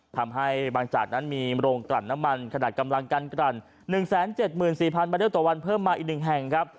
ทำให้บางจากนั้นมีโรงกลั่นน้ำมันขนาดกำลังกันกลั่น๑๗๔๐๐บาเดลต่อวันเพิ่มมาอีก๑แห่งครับ